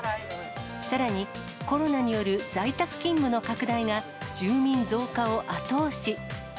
さらに、コロナによる在宅勤務の拡大が、住民増加を後押し。